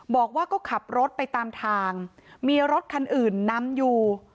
บอกว่าก็ขับรถไปตามทางมีรถคันอื่นนำอยู่